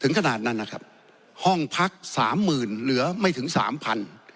ขนาดนั้นนะครับห้องพักสามหมื่นเหลือไม่ถึงสามพัน